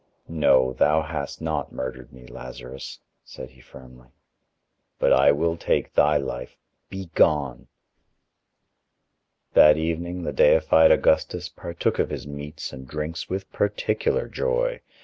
"No, thou hast not murdered me, Lazarus," said he firmly, "but I will take thy life. Be gone." That evening the deified Augustus partook of his meats and drinks with particular joy.